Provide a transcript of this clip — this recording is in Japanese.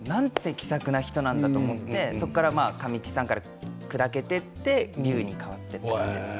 気さくな人なんだと思ってそこから「神木さん」からくだけてって隆に変わっていったんです。